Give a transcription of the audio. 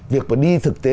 việc mà đi thực tế